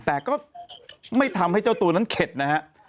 แต่ก็ไม่ทำให้เจ้าตัวนั้นเข็ดนะฮะ